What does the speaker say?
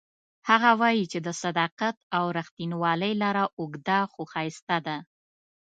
هغه وایي چې د صداقت او ریښتینولۍ لاره اوږده خو ښایسته ده